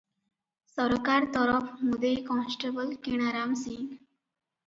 ସରକାର ତରଫ ମୁଦେଇ କନେଷ୍ଟବଳ କିଣାରାମ ସିଂ ।